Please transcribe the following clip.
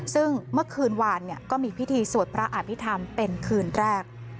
ซึ่งเมื่อคืนวานก็มีพิธีสวดพระอภิษฐรรมเป็นคืนแรก